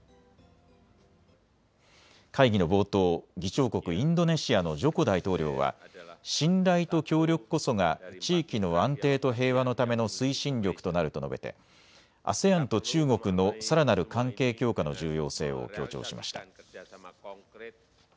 会議の冒頭、議長国インドネシアのジョコ大統領は信頼と協力こそが地域の安定と平和のための推進力となると述べてＡＳＥＡＮと中国のさらなる関係強化の重要性を強調しました。